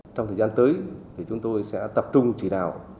trong thời gian tới thì chúng tôi sẽ tập trung chỉ đạo